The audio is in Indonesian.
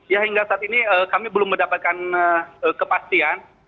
ya hingga saat ini kami belum mendapatkan kepastian